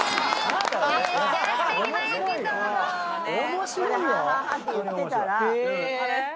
「面白いよ」